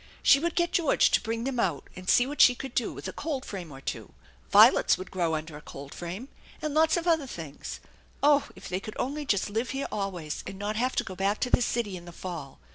She would get George to bring them out, and see what she could do with a coldframe or two. Violets would grow under a coldframe, and a lot of other things. Oh, if they could only just live here always, and not have to go back to the city in the fall